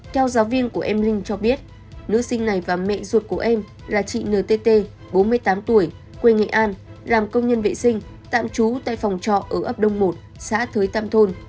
theo giáo viên của em linh cho biết nữ sinh này và mẹ ruột của em là chị ntt bốn mươi tám tuổi quê nghệ an làm công nhân vệ sinh tạm trú tại phòng trọ ở ấp đông một xã thới tam thôn